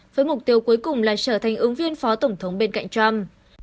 với mục tiêu cuối cùng là trở thành ứng viên phó tổng thống bên cạnh trump